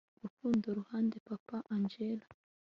kurundo ruhande papa angella